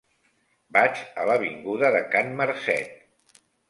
Vaig a l'avinguda de Can Marcet.